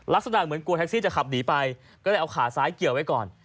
ลักษณะเหมือนกลัวแท็กซี่จะขับหนีไปก็เลยเอาขาซ้ายเกี่ยวไว้ก่อน